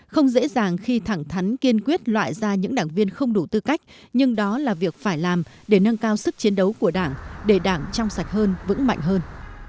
không dễ dàng khi thẳng thắn kiên quyết loại ra những đảng viên không đủ tư cách nhưng đó là việc phải làm để nâng cao sức chiến đấu của đảng để đảng trong sạch hơn vững mạnh hơn